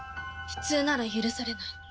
普通なら許されない。